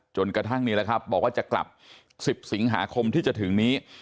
จนกระทั่งนี่แหละครับบอกว่าจะกลับ๑๐สิงหาคมที่จะถึงนี้